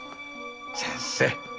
先生！